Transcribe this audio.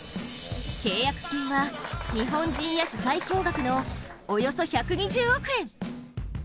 契約金は、日本人野手最高額のおよそ１２０億円。